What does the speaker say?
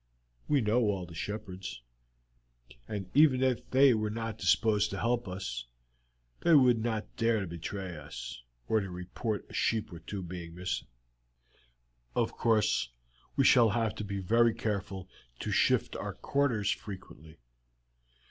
We know all the shepherds, and even if they were not disposed to help us they would not dare to betray us, or report a sheep or two being missing. Of course, we shall have to be very careful to shift our quarters frequently.